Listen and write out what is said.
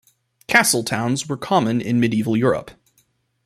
Castle towns were common in Medieval Europe.